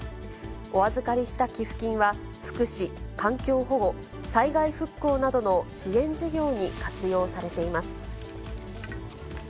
お預かりした寄付金は、福祉、環境保護、災害復興などの支援事業に活用されています。